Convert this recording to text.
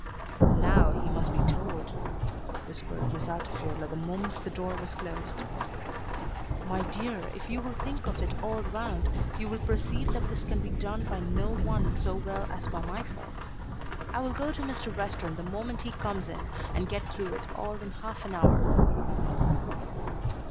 "Now he must be told," whispered Miss Altifiorla the moment the door was closed. "My dear, if you will think of it all round you will perceive that this can be done by no one so well as by myself. I will go to Mr. Western the moment he comes in, and get through it all in half an hour."